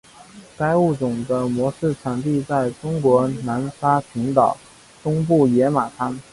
该物种的模式产地在中国南沙群岛东部野马滩。